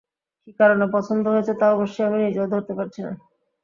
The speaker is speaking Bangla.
কী কারণে পছন্দ হয়েছে তা অবশ্যি আমি নিজেও ধরতে পারছি না।